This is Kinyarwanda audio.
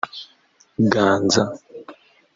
ganza